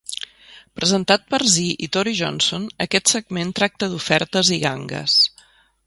Presentat per Zee i Tory Johnson, aquest segment tracta d'ofertes i gangues.